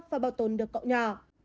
và bảo tồn được cậu nhỏ